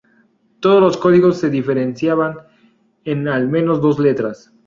Todos los códigos se diferenciaban en al menos dos letras.